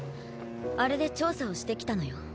あれで調査をしてきたのよ。